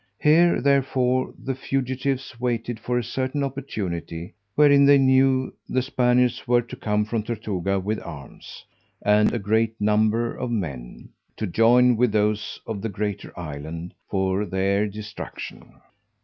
Here therefore the fugitives waited for a certain opportunity, wherein they knew the Spaniards were to come from Tortuga with arms, and a great number of men, to join with those of the greater island for their destruction.